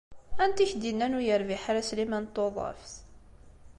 Anta i ak-d-yennan ur yerbiḥ ara Sliman n Tuḍeft?